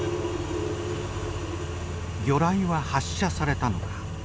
魚雷は発射されたのか。